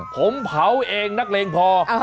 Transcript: ผมเผาเองนักเลงพอ